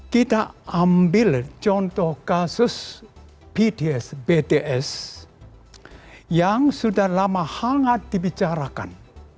kita ambil contoh kasus bts yang sudah lama hangat dibicarakan